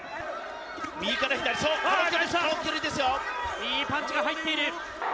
いいパンチが入っている！